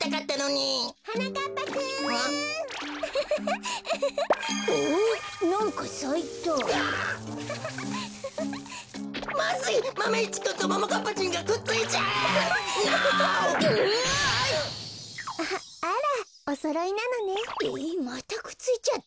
えっまたくっついちゃった！？